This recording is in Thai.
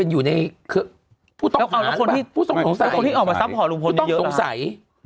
อยู่ในคือผู้ต้องสงสัยผู้ต้องสงสัยคนที่ออกมาซับพอร์ตลุงพลนี่เยอะหรอ